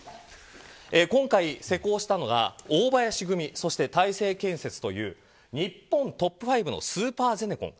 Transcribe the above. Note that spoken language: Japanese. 今回、施工したのが大林組そして大成建設という日本トップ５のスーパーゼネコン